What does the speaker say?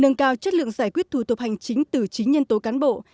nâng cao chất lượng giải quyết thủ tục hành chính từ chính nhân tố cán bộ